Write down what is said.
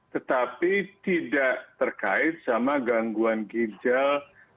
tetapi tidak terkait sama gangguan ginjal